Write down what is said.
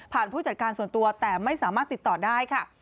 ผู้จัดการส่วนตัวแต่ไม่สามารถติดต่อได้ค่ะ